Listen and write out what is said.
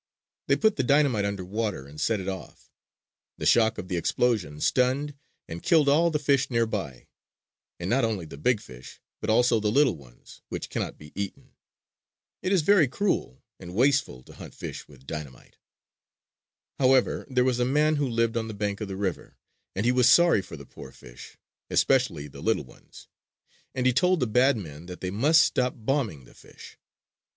They put the dynamite under water and set it off. The shock of the explosion stunned and killed all the fish nearby; and not only the big fish, but also the little ones, which cannot be eaten. It is very cruel and wasteful to hunt fish with dynamite. However, there was a man who lived on the bank of the river; and he was sorry for the poor fish, especially the little ones; and he told the bad men that they must stop bombing the fish.